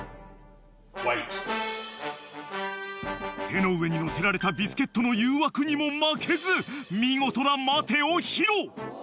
［手の上にのせられたビスケットの誘惑にも負けず見事な「待て」を披露］